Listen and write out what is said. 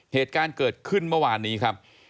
เหตุการณ์เกิดขึ้นเมื่อวานนี้ครับ